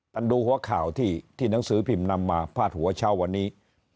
ดูหัวข่าวที่หนังสือพิมพ์นำมาพาดหัวเช้าวันนี้